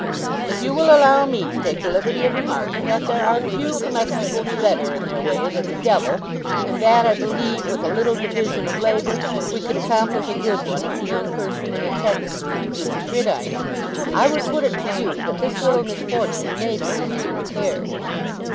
If you will allow me to take the liberty of remarking that there are few comestibles better, in their way, than a Devil, and that I believe, with a little division of labour, we could accomplish a good one if the young person in attendance could produce a gridiron, I would put it to you, that this little misfortune may be easily repaired.